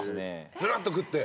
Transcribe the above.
ずるっと食って。